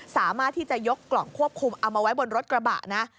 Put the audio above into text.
สามารถที่จะยกกล่องควบคุมเอามาไว้บนรถกระบะนะ